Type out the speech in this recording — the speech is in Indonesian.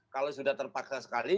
kalau sudah terpaksa sekali